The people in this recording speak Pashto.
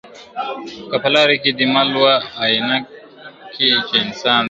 که په لاره کی دي مل وو آیینه کي چي انسان دی !.